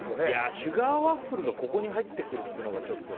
シュガーワッフルがここに入ってくるというのがちょっとね。